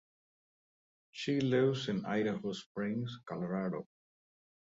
She lives in Idaho Springs, Colorado.